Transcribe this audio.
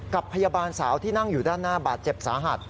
กับพยาบาลสาวที่นั่งอยู่ด้านหน้าบาดเจ็บสาหัส